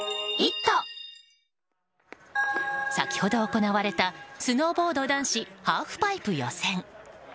先ほど行われたスノーボード男子ハーフパイプ予選。